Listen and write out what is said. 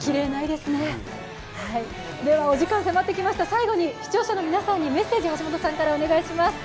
最後に視聴者の皆さんにメッセージをお願いします。